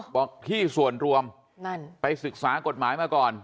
บอกที่ส่วนรวมนั่นไปศึกษากฎหมายมาก่อน